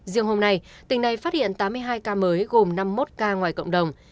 riêng hôm nay tỉnh này phát hiện tám mươi hai ca mới gồm năm mươi một ca ngoài cộng đồng